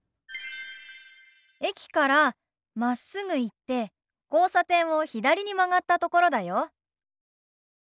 駅からまっすぐ行って交差点を左に曲がったところだよ。